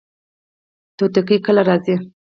توتکۍ کله راځي؟